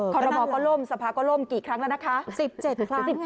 คอบรมก็ล้มสภาพก็ล้มสิบเจ็ดครั้ง